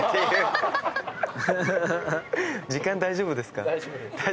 時間大丈夫ですか？